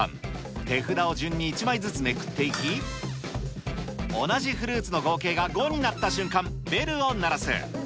手札を順に１枚ずつめくっていき、同じフルーツの合計が５になった瞬間、ベルを鳴らす。